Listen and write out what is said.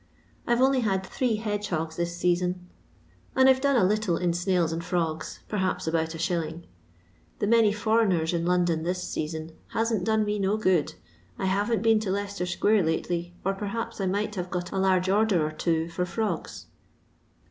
I 've only had three hedgehogs this season, and I 've done a little in snails and frogs, perhaps about It, The many fi>reignerB in London this season hasn't done me no go«L I haven't been ts Leicester^nare lately, or perhaps I might have got a laige order or two £» firogs."